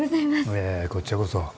いやいやこっちゃこそ。